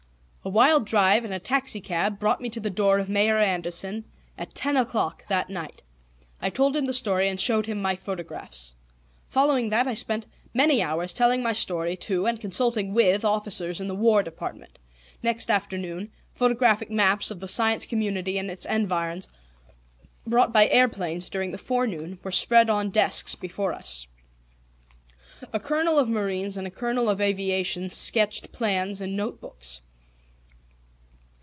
A wild drive in a taxicab brought me to the door of Mayor Anderson at ten o'clock that night. I told him the story and showed him my photographs. Following that I spent many hours telling my story to and consulting with officers in the War Department. Next afternoon, photographic maps of the Science Community and its environs, brought by airplanes during the forenoon, were spread on desks before us. A colonel of marines and a colonel of aviation sketched plans in notebooks.